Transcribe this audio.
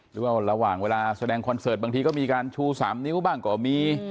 ระหว่างเวลาแสดงคอนเสิร์ตบางทีก็มีการชู๓นิ้วบ้างก็มี